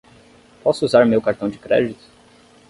Posso usar meu cartão de crédito?